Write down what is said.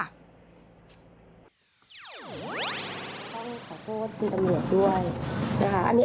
ต้องขอโทษคุณตำรวจด้วยนะคะ